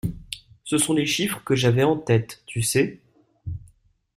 Ce sont les chiffres que j'avais en tête, tu sais.